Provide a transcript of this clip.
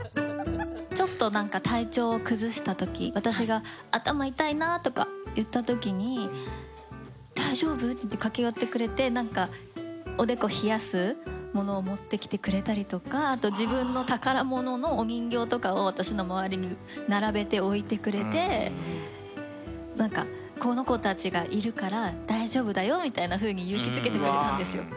ちょっと体調を崩したとき、私が頭痛いなとか言ったときに、大丈夫？って言って駆け寄ってきてくれてなんか、おでこを冷やすものを持ってきてくれたりとか、あと自分の宝物のお人形とかを私の周りに並べて置いてくれてこの子たちがいるから大丈夫だよみたいなふうに勇気づけてくれたんですよ。